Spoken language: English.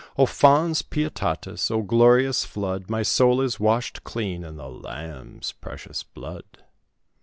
O, fons pietatis, O, glorious flood, My soul is washed clean in the Lamb's precious blood."